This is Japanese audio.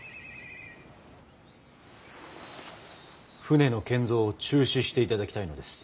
船の建造を中止していただきたいのです。